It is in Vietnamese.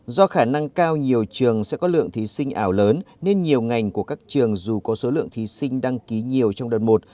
do khả năng cao nhiều trường sẽ có lượng thí sinh ảo lớn nên nhiều ngành của các trường dù có số lượng thí sinh đăng ký nhiều trong đợt một